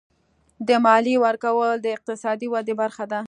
د مالیې ورکول د اقتصادي ودې برخه ده.